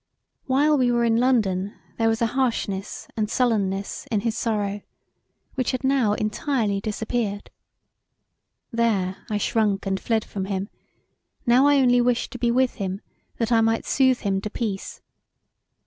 While we were in London there was a harshness and sulleness in his sorrow which had now entirely disappeared. There I shrunk and fled from him, now I only wished to be with him that I might soothe him to peace.